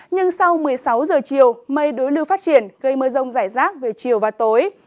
nhưng sau một mươi sáu giờ chiều mây đối lưu phát triển gây mưa rông rải rác về chiều và tối